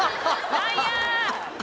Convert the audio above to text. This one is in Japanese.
何や！